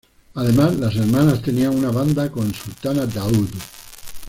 Además las hermanas tenían una banda con Sultana Daoud.